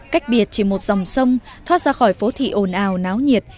cách biệt chỉ một dòng sông thoát ra khỏi phố thị ồn ào náo nhiệt